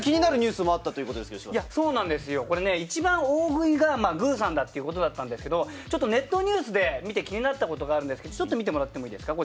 大食いがグーさんだってことだったんですけれども、ちょっとネットニュースで見て気になったことがあるんですけれども、見てもらっていいですか？